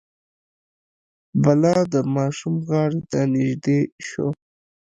بلا د ماشوم غاړې ته نژدې شو.